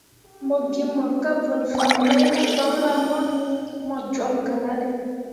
Mo gi mor kah vǝl fan mai mo banra bo iŋ mo jol galale.